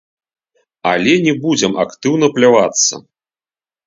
Але не будзем актыўна плявацца.